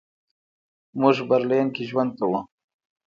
موږ برلین کې ژوند کوو.